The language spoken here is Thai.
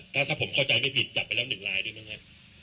ถ้าผมเข้าใจไม่ผิดจับไปแล้วหนึ่งลายด้วยมั้ยครับ